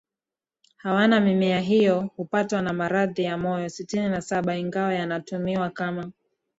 hawana mimea hiyo hupatwa na maradhi ya moyo Sitini na Saba Ingawa yanatumiwa kama